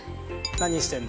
何してんの？